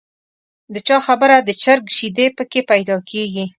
د چا خبره د چرګ شیدې په کې پیدا کېږي.